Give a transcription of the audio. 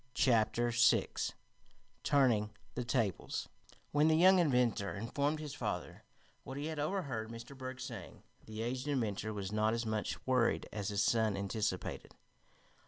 Chapter Six Turning the Tables When the young inventor informed his father what he had overheard Mr. Berg saying, the aged inventor was not as much worried as his son anticipated.